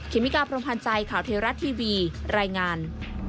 เมกาพรมพันธ์ใจข่าวเทราะทีวีรายงาน